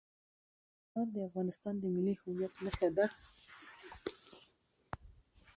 ننګرهار د افغانستان د ملي هویت نښه ده.